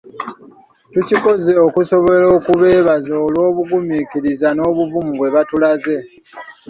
Tukikoze okusobola okubeebaza olw’obugumiikiriza n’obuvumu bwe batulaze.